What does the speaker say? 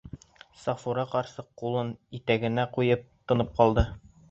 Сафура ҡарсыҡ ҡулын итәгенә ҡуйып тынып ҡалды.